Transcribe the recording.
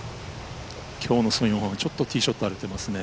きょうのソン・ヨンハンは、ちょっとティーショットが荒れてますね。